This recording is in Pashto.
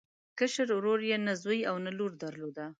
کشر ورور یې نه زوی او نه لور درلوده.